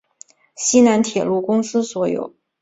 西南铁路公司所有。